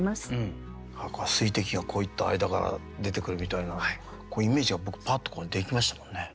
水滴がこういった間から出てくるみたいなイメージが僕パッとできましたもんね。